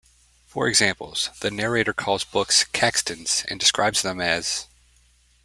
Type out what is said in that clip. For examples, the narrator calls books "Caxtons" and describes them as...